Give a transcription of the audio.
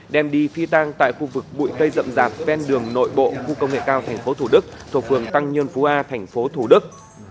đem đi phi tang tại khu vực bụi cây rậm rạp bên đường nội bộ khu công nghệ cao tp thủ đức thuộc phường tăng nhân phú a tp thủ đức